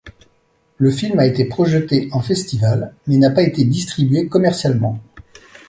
Le film a été projeté en festival mais n'a pas été distribué commercialement.